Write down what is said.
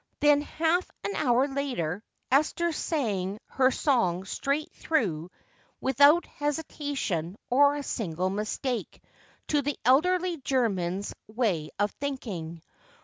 Then, half an hour later, Esther sang her song straight through without hesitation or a single mistake to the elderly German's way of thinking.